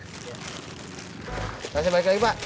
terima kasih balik lagi pak